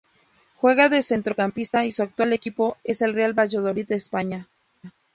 Juega de centrocampista y su actual equipo es el Real Valladolid de España.